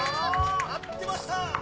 待ってました！